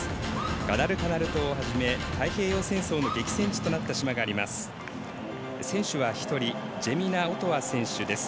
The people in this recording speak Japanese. ガダルカナル島をはじめ太平洋戦争の激戦地となった島があります。